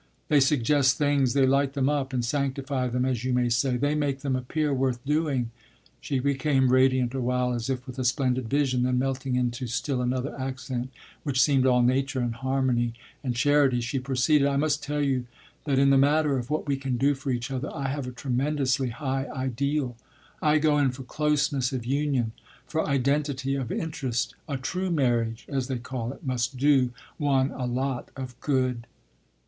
They suggest things, they light them up and sanctify them, as you may say; they make them appear worth doing." She became radiant a while, as if with a splendid vision; then melting into still another accent, which seemed all nature and harmony and charity, she proceeded: "I must tell you that in the matter of what we can do for each other I have a tremendously high ideal. I go in for closeness of union, for identity of interest. A true marriage, as they call it, must do one a lot of good!"